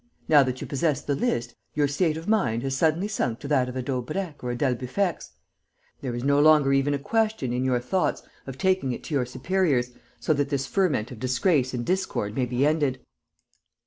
Now that you possess the list, your state of mind has suddenly sunk to that of a Daubrecq or a d'Albufex. There is no longer even a question, in your thoughts, of taking it to your superiors, so that this ferment of disgrace and discord may be ended.